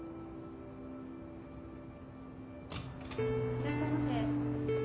・・いらっしゃいませ。